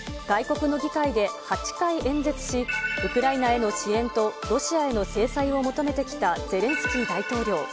外国の議会で、８回演説し、ウクライナへの支援とロシアへの制裁を求めてきたゼレンスキー大統領。